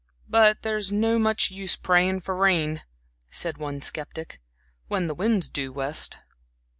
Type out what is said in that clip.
"But there's not much use praying for rain," said one skeptic, "when the wind's due west."